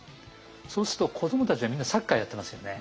そうすると子どもたちはみんなサッカーやってますよね。